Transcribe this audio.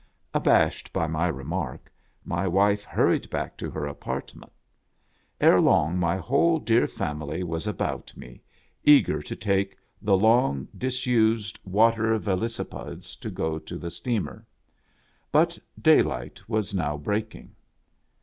Abashed by my remark, my wife hurried back to her apartment. Erelong my whole clear family was about me, eager to take the long disused water veloci OUR FOREIGN VISITORS. 21 pedes, and go to the steamer. But daylight was now breaking.